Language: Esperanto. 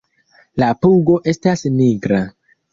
La pugo estas nigra.